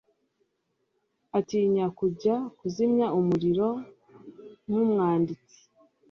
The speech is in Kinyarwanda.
atinya kujya kuzimya umuriro nkumwanditsi